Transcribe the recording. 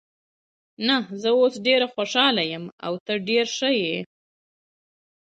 نه، زه اوس هم خوشحاله یم او ته ډېره ښه یې.